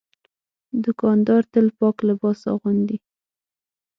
دوکاندار تل پاک لباس اغوندي.